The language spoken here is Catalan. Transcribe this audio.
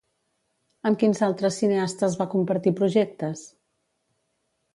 Amb quins altres cineastes va compartir projectes?